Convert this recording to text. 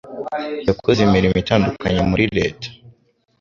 Yakoze imirimo itandukanye muri Leta